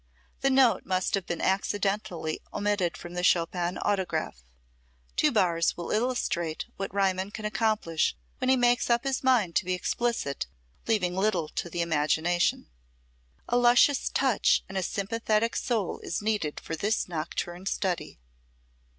The note must have been accidentally omitted from the Chopin autograph. Two bars will illustrate what Riemann can accomplish when he makes up his mind to be explicit, leaving little to the imagination: [Illustration without caption] A luscious touch, and a sympathetic soul is needed for this nocturne study.